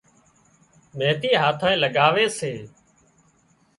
مينۮِي هاٿانئي لڳاوي سي